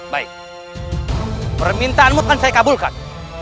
baik permintaanmu akan saya kabulkan